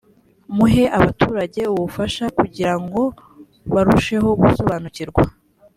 muhe abaturage ubufasha kugira ngo barusheho gusobanukirwa